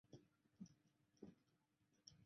煎土豆是德国饮食中一道常见的配菜。